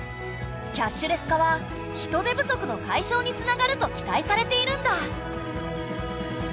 キャッシュレス化は人手不足の解消につながると期待されているんだ。